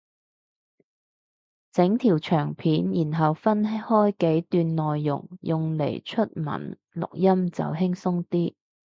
整條長片然後分開幾段內容用嚟出文錄音就輕鬆啲